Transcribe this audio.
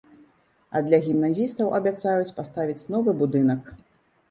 А для гімназістаў абяцаюць паставіць новы будынак.